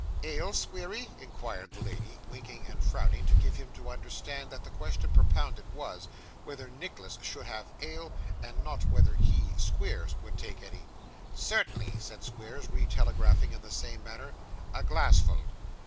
'Ale, Squeery?' inquired the lady, winking and frowning to give him to understand that the question propounded, was, whether Nicholas should have ale, and not whether he (Squeers) would take any. 'Certainly,' said Squeers, re telegraphing in the same manner. 'A glassful.